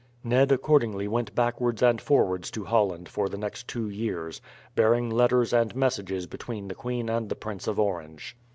Ned accordingly went backwards and forwards to Holland for the next two years, bearing letters and messages between the queen and the Prince of Orange.